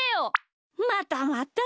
またまた。